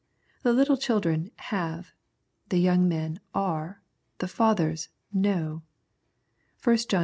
The little children have ; the young men are ; the fathers know (i John ii.